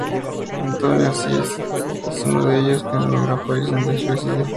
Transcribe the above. Antonio Asís es uno de ellos que emigró a París donde reside.